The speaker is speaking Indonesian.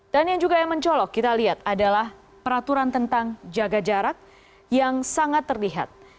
dan yang juga yang mencolok kita lihat adalah peraturan tentang jaga jarak yang sangat terlihat